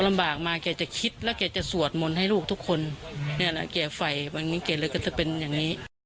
ลำบากมาแกจะคิดแล้วแกจะสวดมนตร์ให้ลูกทุกคนที่ล่ะค่ะไฟว่างี้ก็จะเป็น